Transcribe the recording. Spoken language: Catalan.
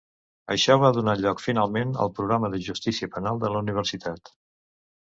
Això va donar lloc finalment al programa de justícia penal de la universitat.